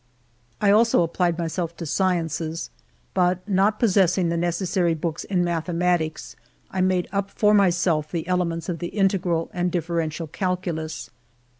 I also applied myself to sciences, but not pos sessing the necessary books in mathematics, I made up for myself the elements of the integral and differential calculus.